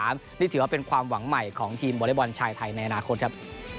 นี่ถือว่าเป็นความหวังใหม่ของทีมวอเล็กบอลชายไทยในอนาคตครับ